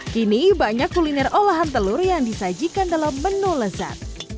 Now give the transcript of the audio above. kini banyak kuliner olahan telur yang disajikan dalam menu lezat